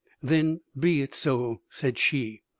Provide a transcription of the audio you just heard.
"'Then, be it so,' said she.